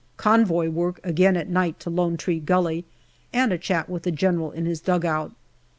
Convoy work again at night to Lone Tree Gully, and a chat with the General in his dugout.